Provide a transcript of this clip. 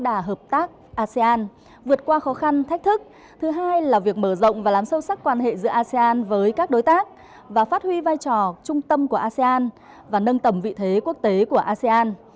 asean vượt qua khó khăn thách thức thứ hai là việc mở rộng và làm sâu sắc quan hệ giữa asean với các đối tác và phát huy vai trò trung tâm của asean và nâng tầm vị thế quốc tế của asean